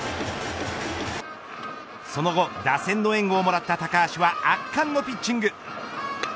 その後打線の援護をもらった高橋は圧巻のピッチング。